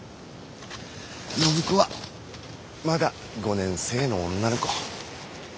暢子はまだ５年生の女の子。